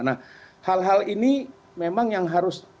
nah hal hal ini memang yang harus